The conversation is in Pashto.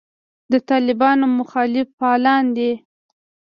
د طالبانو مخالف فعالان دي.